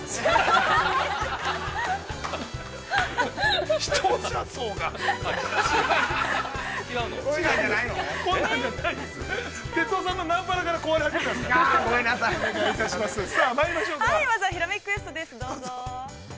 まずは「ひらめきクエスト」です、どうぞ。